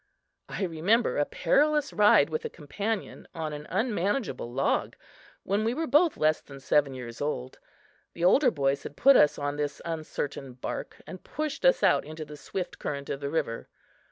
I remember a perilous ride with a companion on an unmanageable log, when we were both less than seven years old. The older boys had put us on this uncertain bark and pushed us out into the swift current of the river.